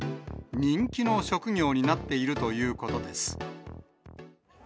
人気の職業になっているということです。